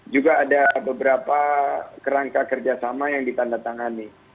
juga ada beberapa kerangka kerjasama yang ditandatangani